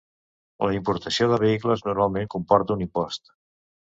La importació de vehicles normalment comporta un impost.